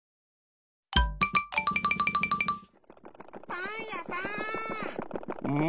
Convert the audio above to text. パンやさん！